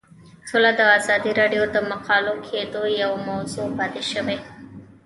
سوله د ازادي راډیو د مقالو کلیدي موضوع پاتې شوی.